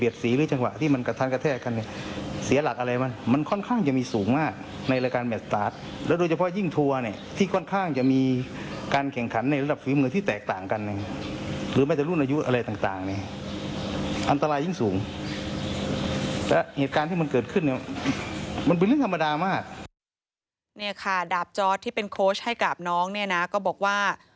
ดราบจอฟท์ที่เป็นโค้ชให้กับน้องก็บอกว่า